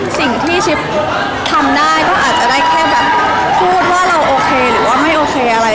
สิ่งที่ชิปทำได้ก็อาจจะได้แค่แบบพูดว่าเราโอเคหรือว่าไม่โอเคอะไร